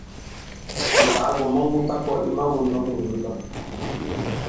Ǹtàagò mɔn mu ta-kwɔ̄ i mawōn ma mût nu ndɔk.